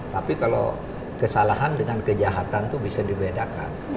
tapi kalau kesalahan dengan kejahatan itu bisa dibedakan